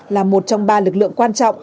là một trong ba lực lượng quan trọng